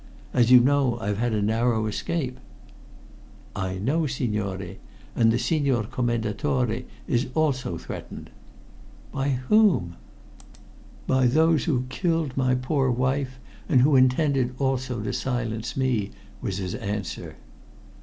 As you know, I've had a narrow escape." "I know, signore. And the Signor Commendatore is also threatened." "By whom?" "By those who killed my poor wife, and who intended also to silence me," was his answer.